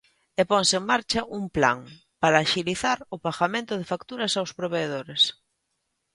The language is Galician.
E ponse en marcha un plan para axilizar o pagamento de facturas aos provedores.